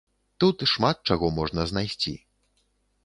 Тут шмат чаго можна знайсці.